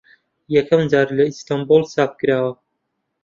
یەکەم جار لە ئەستەمبوڵ چاپ کراوە